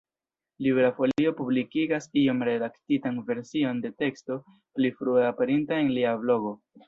Libera Folio publikigas iom redaktitan version de teksto pli frue aperinta en lia blogo.